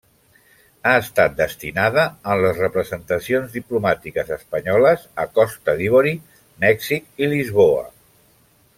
Ha estat destinada en les representacions diplomàtiques espanyoles a Costa d'Ivori, Mèxic i Lisboa.